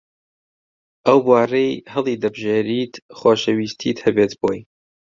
ئەو بوارەی هەڵیدەبژێریت خۆشەویستیت هەبێت بۆی